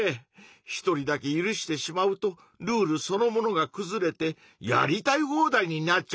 一人だけ許してしまうとルールそのものがくずれてやりたい放題になっちゃいそうだよね。